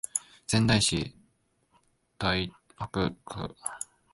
仙台市太白区